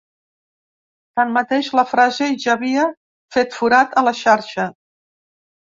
Tanmateix, la frase ja havia fet forat a la xarxa.